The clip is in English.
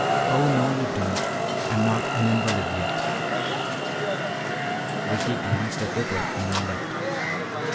"Oh, no, you don't! I'm not an invalid yet." Ricky glanced at Rupert and then left.